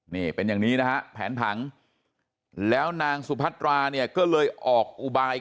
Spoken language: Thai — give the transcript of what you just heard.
นี่เป็นอย่างนี้นะฮะแผนผังแล้วนางสุพัตราเนี่ยก็เลยออกอุบาย